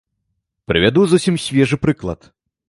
Прывяду зусім свежы прыклад.